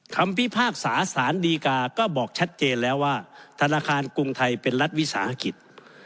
พิพากษาสารดีกาก็บอกชัดเจนแล้วว่าธนาคารกรุงไทยเป็นรัฐวิสาหกิจ